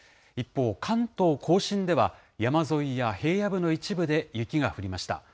一方、関東甲信では、山沿いや平野部の一部で雪が降りました。